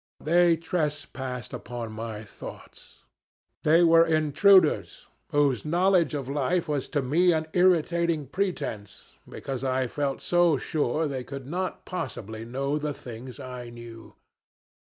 They trespassed upon my thoughts. They were intruders whose knowledge of life was to me an irritating pretense, because I felt so sure they could not possibly know the things I knew.